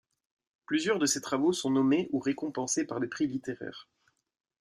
Plusieurs de ses travaux sont nommés ou récompensés par des prix littéraires.